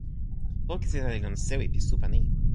poki sina li lon sewi pi supa ni.